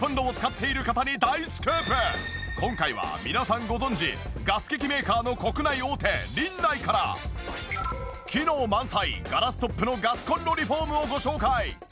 今回は皆さんご存じガス機器メーカーの国内大手リンナイから機能満載ガラストップのガスコンロリフォームをご紹介。